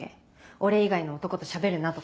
「俺以外の男としゃべるな」とか。